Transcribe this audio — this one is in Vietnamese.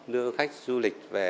đưa khách du lịch về